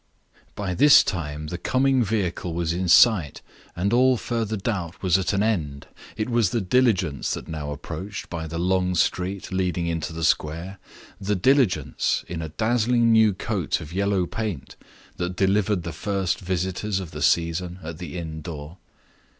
By this time the coming vehicle was in sight, and all further doubt was at an end. It was the diligence that now approached by the long street leading into the square the diligence (in a dazzling new coat of yellow paint) that delivered the first visitors of the season at the inn door.